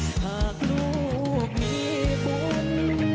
หากลูกมีบุญ